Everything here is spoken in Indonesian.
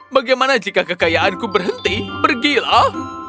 bagaimana jika kekayaanku berhenti pergilah